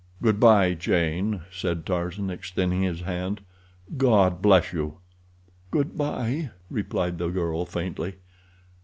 "Good bye, Jane," said Tarzan, extending his hand. "God bless you!" "Good bye," replied the girl faintly.